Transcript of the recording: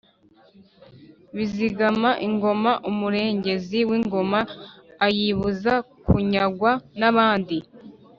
Bazigama ingoma: umurengezi w’ingoma ayibuza kunyagwa n’abandi